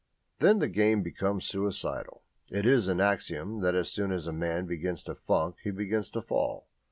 Then the game becomes suicidal; it is an axiom that as soon as a man begins to funk he begins to fall.